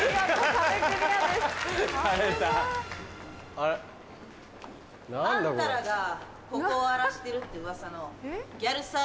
あれ？あんたらがここを荒らしてるってウワサの。